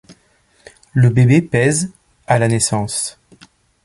Le bébé pèse à la naissance.